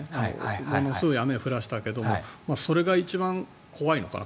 ものすごい雨を降らせたけどそれが一番怖いのかな。